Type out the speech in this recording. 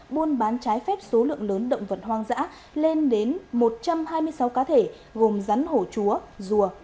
buôn bán trái phép số lượng lớn động vật hoang dã lên đến một trăm hai mươi sáu cá thể gồm rắn hổ chúa rùa